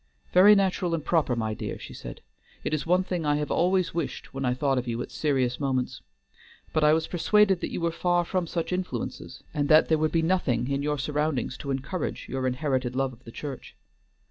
"Very natural and proper, my dear," she said. "It is one thing I have always wished when I thought of you at serious moments. But I was persuaded that you were far from such influences, and that there would be nothing in your surroundings to encourage your inherited love of the church."